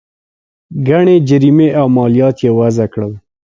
ګڼې جریمې او مالیات یې وضعه کړل.